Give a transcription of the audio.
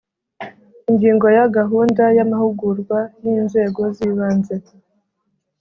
Ingingo ya Gahunda y amahugurwa yinzego zibanze